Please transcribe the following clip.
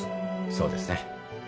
そうですね。